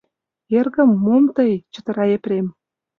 — Эргым, мом тый! — чытыра Епрем.